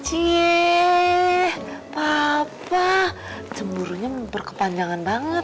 ciee papa cemuruhnya berkepanjangan banget